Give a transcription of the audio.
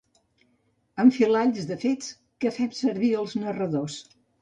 Enfilalls de fets que fem servir els narradors.